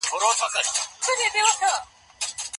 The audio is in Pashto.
په قلم خط لیکل د زده کوونکو د وړتیاوو د ښودلو ځای دی.